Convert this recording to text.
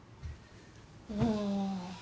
うん。